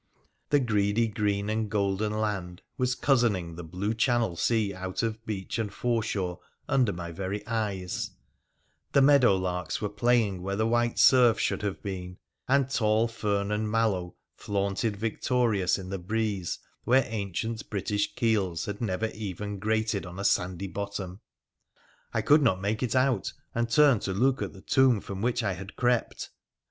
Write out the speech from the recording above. The greedy green and golden land was cozening the blue channel sea out of beach and foreshore under my very eyes ; the meadow larks were playing where the white surf should have been, and tall fern and mallow flaunted victorious in the breeze where ancient British keels had never even grated on a a *4* WONDERFUL ADVENTURES OF sandy bottom. I could not make it out, and turned to look at the tomb from which I had crept.